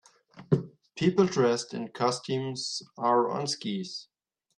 People dressed in costumes are on skis.